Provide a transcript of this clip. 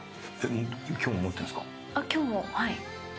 今日もはい。